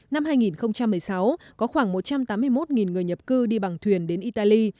năm hai nghìn một mươi sáu có khoảng một trăm tám mươi một người nhập cư đi bằng thuyền đến italy